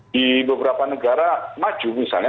di beberapa negara maju misalnya